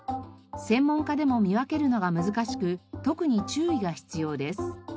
専門家でも見分けるのが難しく特に注意が必要です。